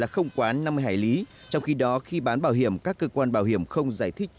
không quá năm mươi hải lý trong khi đó khi bán bảo hiểm các cơ quan bảo hiểm không giải thích